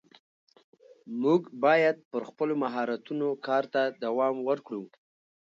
موږ باید پر خپلو مهارتونو کار ته دوام ورکړو